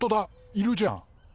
いるじゃん！